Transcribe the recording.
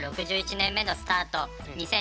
６１年目のスタート